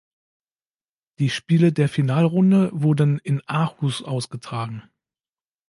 Die Spiele der Finalrunde wurden in Aarhus ausgetragen.